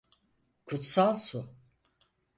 Kutsal su.